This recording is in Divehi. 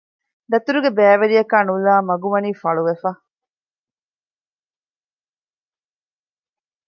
ދަތުރުގެ ބައިވެރިޔަކާ ނުލައި މަގު ވަނީ ފަޅުވެފަ